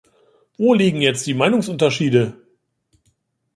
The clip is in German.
Wo liegen jetzt die Meinungsunterschiede?